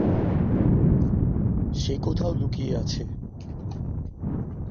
সে কোথাও লুকিয়ে আছে।